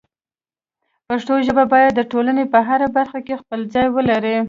پښتو ژبه باید د ټولنې په هره برخه کې خپل ځای ولري.